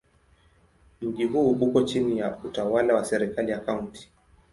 Mji huu uko chini ya utawala wa serikali ya Kaunti.